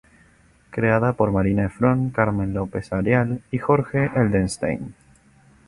Creada por Marina Efron, Carmen López-Areal y Jorge Edelstein.